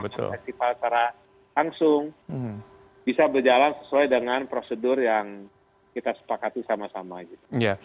dengan festival secara langsung bisa berjalan sesuai dengan prosedur yang kita sepakati sama sama gitu